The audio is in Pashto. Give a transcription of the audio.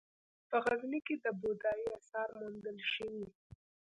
په غزني کې د بودايي اثار موندل شوي